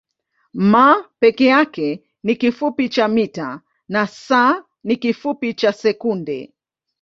m peke yake ni kifupi cha mita na s ni kifupi cha sekunde.